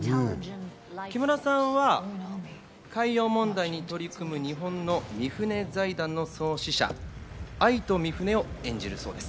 木村さんは海洋問題に取り組む、日本のミフネ財団の創始者、アイト・ミフネを演じるそうです。